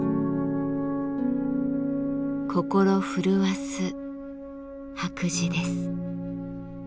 心震わす白磁です。